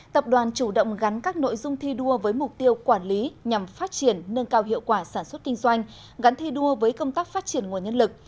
tập đoàn chủ động gắn các nội dung thi đua với mục tiêu quản lý nhằm phát triển nâng cao hiệu quả sản xuất kinh doanh gắn thi đua với công tác phát triển nguồn nhân lực